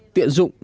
tiện dụng đơn giản